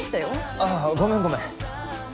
あっごめんごめん。